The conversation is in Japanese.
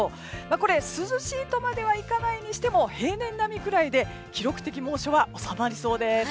これ、涼しいとまではいかないにしても平年並みくらいで記録的猛暑は収まりそうです。